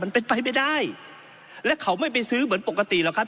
ไปไม่ได้และเขาไม่ไปซื้อเหมือนปกติหรอกครับ